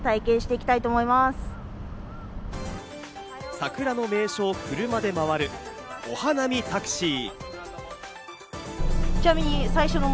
桜の名所を車で回るお花見タクシー。